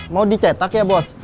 mau dicetak ya bos